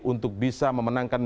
untuk bisa memenangkan di jawa tengah